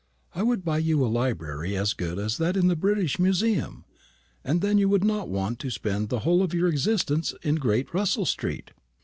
"I would buy you a library as good as that in the British Museum; and then you would not want to spend the whole of your existence in Great Russell street."